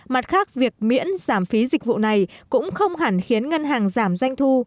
mặt khác việc miễn giảm phí dịch vụ này cũng không hẳn khiến ngân hàng giảm doanh thu